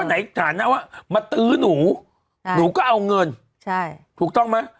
ก็ไหนสามารถนะว่ามาตื้อหนูใช่หนูก็เอาเงินใช่ถูกต้องไหม